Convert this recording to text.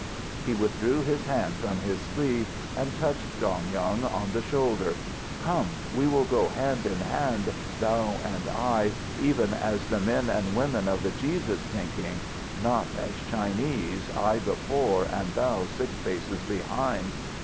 He withdrew his hand from his sleeve and touched Dong Yung on the shoulder. "Come, we will go hand in hand, thou and I, even as the men and women of the Jesus thinking; not as Chinese, I before, and thou six paces behind.